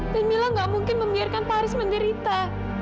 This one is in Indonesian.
dan mila gak mungkin membiarkan pak haris menderita